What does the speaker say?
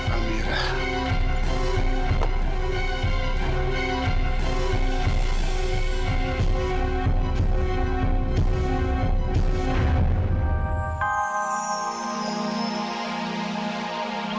aku akan mencari tahu